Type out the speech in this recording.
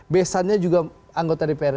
besannya juga anggota dpr ri